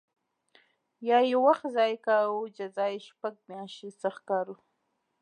یا یې وخت ضایع کاوه جزا یې شپږ میاشتې سخت کار و